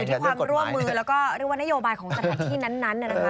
อยู่ที่ความร่วมมือและเรียกว่านโยบายของเฉพาะที่นั้น